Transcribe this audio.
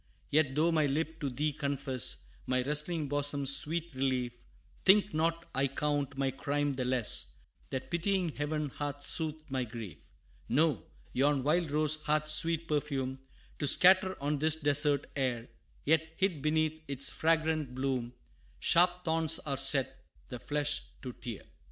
Yet, though my lip to thee confess, My wrestling bosom's sweet relief, Think not I count my crime the less, That pitying Heaven hath soothed my grief. No yon wild rose hath sweet perfume To scatter on this desert air; Yet, hid beneath its fragrant bloom, Sharp thorns are set, the flesh to tear.